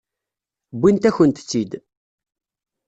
Wwint-akent-tt-id.